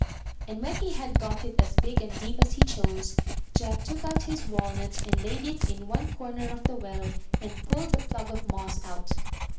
And when he had got it as big and deep as he chose, Jack took out his walnut and laid it in one corner of the well, and pulled the plug of moss out.